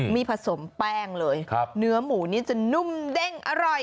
มีผสมแป้งเลยเนื้อหมูนี่จะนุ่มเด้งอร่อย